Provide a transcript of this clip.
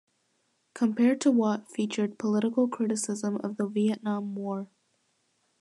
"Compared to What" featured political criticism of the Vietnam War.